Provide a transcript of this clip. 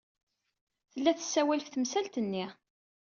Tella tessawal ɣef temsalt-nni.